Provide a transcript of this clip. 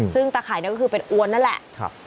ซึ่งตะไข่ก็คือเป็นอวนนั่นแหละ